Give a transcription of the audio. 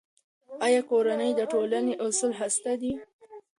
آیا کورنۍ د ټولنې اصلي هسته ده؟